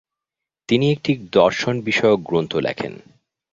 তিনি একটি দর্শনবিষয়ক গ্রন্থ লেখেন।